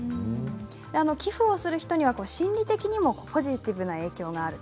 寄付をする人には心理的にもポジティブな影響があると。